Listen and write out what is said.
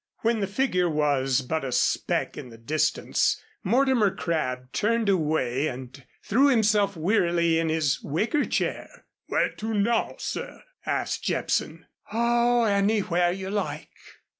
When the figure was but a speck in the distance Mortimer Crabb turned away and threw himself wearily in his wicker chair. "Where to now, sir?" asked Jepson. "Oh, anywhere you like."